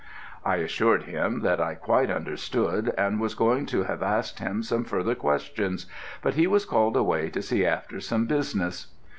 I assured him that I quite understood, and was going to have asked him some further questions, but he was called away to see after some business.